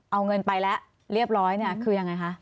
เอาเงินไปแล้วเรียบร้อยเนี่ยคือยังไงคะ